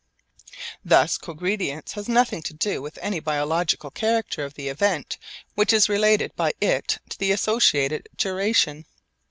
Thus cogredience has nothing to do with any biological character of the event which is related by it to the associated duration.